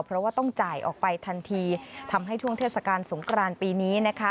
เพราะว่าต้องจ่ายออกไปทันทีทำให้ช่วงเทศกาลสงครานปีนี้นะคะ